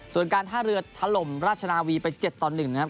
ส่วนการท่าเรือถล่มราชนาวีไป๗ต่อ๑นะครับ